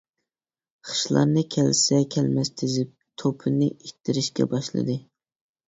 خىشلارنى كەلسە-كەلمەس تىزىپ، توپىنى ئىتتىرىشكە باشلىدى.